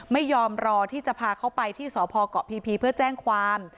ไม่ยอมรอที่จะพาเขาไปที่สพเกาะพีเพื่อแจ้งความ